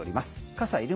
傘いる？